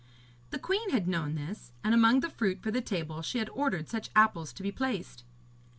The queen had known this, and among the fruit for the table she had ordered such apples to be placed.